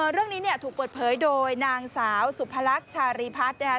เรื่องนี้เนี่ยถูกเปิดเผยโดยนางสาวสุพรรคชารีพัฒน์นะคะ